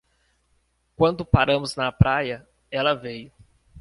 Quando paramos na praia, ela veio.